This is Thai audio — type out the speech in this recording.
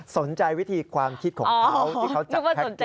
สนใจวิธีความคิดของเขาที่เขาจับแพ็คเกจ